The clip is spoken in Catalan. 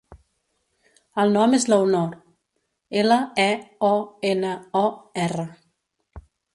El nom és Leonor: ela, e, o, ena, o, erra.